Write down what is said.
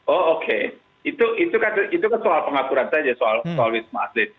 oh oke itu kan soal pengaturan saja soal wisma atlet